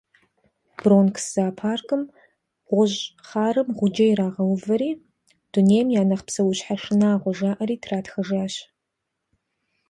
Бронкс зоопаркым гъущӏ хъарым гъуджэ ирагъэувэри «Дунейм я нэхъ псэущхьэ шынагъуэ» жаӏэри тратхэжащ.